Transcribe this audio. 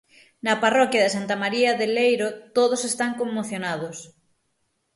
Na parroquia de Santa María de Leiro todos están conmocionados.